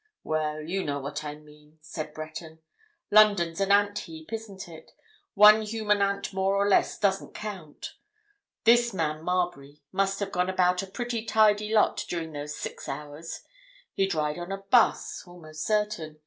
"Well, you know what I mean," said Breton. "London's an ant heap, isn't it? One human ant more or less doesn't count. This man Marbury must have gone about a pretty tidy lot during those six hours. He'd ride on a 'bus—almost certain.